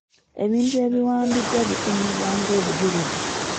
Ebinti ebiwambiddwa bikuumibwa ng'obujulizi.